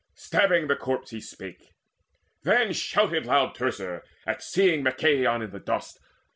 Stabbing the corpse he spake. Then shouted loud Teucer, at seeing Machaon in the dust.